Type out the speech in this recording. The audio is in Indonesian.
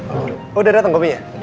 oh udah dateng kopinya